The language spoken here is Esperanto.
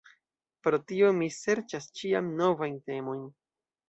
Pro tio mi serĉas ĉiam novajn temojn.